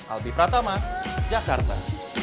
alfi pratama jakarta